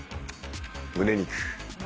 むね肉。